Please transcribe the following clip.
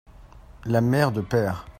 la mêre de Pêr.